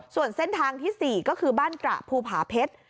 ส่วนเส้นทางที่๔ก็คือบ้านตระภูผาเพชร